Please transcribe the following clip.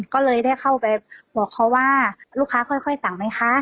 ก็เลยได้เข้าไปบอกเขาว่าลูกค้าค่อยสั่งไหมคะ